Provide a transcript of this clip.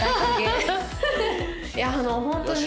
いやあのホントに。